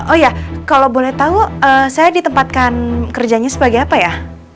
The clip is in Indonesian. oh ya kalau boleh tahu saya ditempatkan kerjanya sebagai apa ya